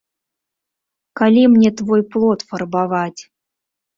Калі мне твой плот фарбаваць!